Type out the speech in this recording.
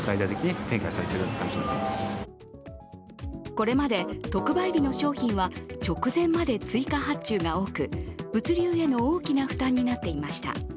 これまで特売日の商品は直前まで追加発注が多く、物流への大きな負担になっていました。